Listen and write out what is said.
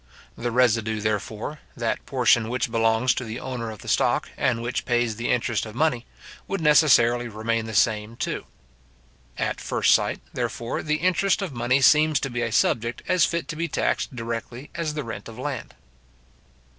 The residue, therefore, that portion which belongs to the owner of the stock, and which pays the interest of money, would necessarily remain the same too. At first sight, therefore, the interest of money seems to be a subject as fit to be taxed directly as the rent of land.